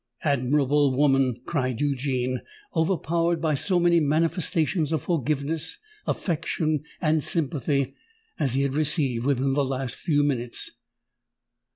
"Admirable woman!" cried Eugene, overpowered by so many manifestations of forgiveness, affection, and sympathy as he had received within the last few minutes.